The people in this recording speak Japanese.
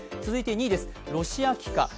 続いて２位です、ロシア機か？